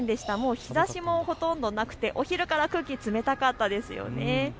日ざしもほとんどなくて、お昼から空気、冷たかったですね。